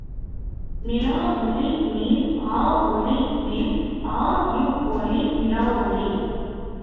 நிலா ஒளி நில் ஆ ஒளி நில் ஆ வ் ஒளி நிலாவொளி.